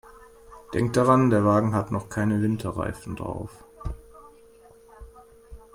Denk daran, der Wagen hat noch keine Winterreifen drauf.